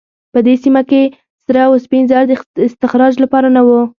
په دې سیمه کې سره او سپین زر د استخراج لپاره نه وو.